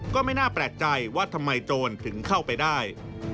ก็ไม่น่าแปลกใจว่าทำไมโจรถึงเข้าไปได้